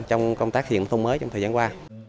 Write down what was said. trong công tác xây dựng thông mới trong thời gian qua